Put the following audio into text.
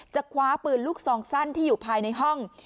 คว้าปืนลูกซองสั้นที่อยู่ภายในห้อง